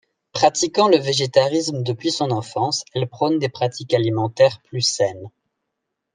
Pratiquant le végétarisme depuis son enfance, elle prône des pratiques alimentaires plus saines.